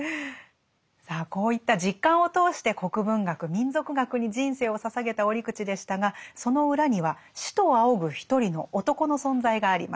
さあこういった実感を通して国文学民俗学に人生を捧げた折口でしたがその裏には師と仰ぐ一人の男の存在がありました。